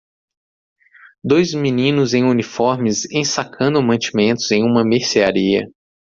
Dois meninos em uniformes ensacando mantimentos em uma mercearia.